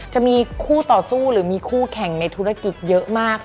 จะมีคู่ต่อสู้หรือมีคู่แข่งในธุรกิจเยอะมาก